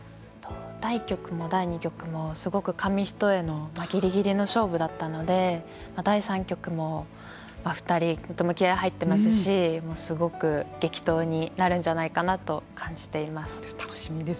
第一局も第二局もすごく紙一重のぎりぎりの勝負だったので第三局も２人とても気合い入っていますしすごく激闘になるんじゃないかなと感じています。